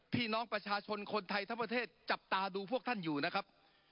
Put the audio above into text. พี่น้องประชาชนคนไทยทั้งประเทศจับตาดูพวกท่านอยู่นะครับ